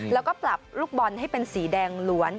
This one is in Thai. แล้วก็ปรับลูกบอลให้เป็นสีแดงล้วน